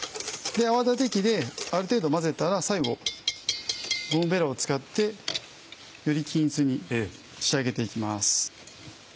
泡立て器である程度混ぜたら最後ゴムベラを使ってより均一に仕上げて行きます。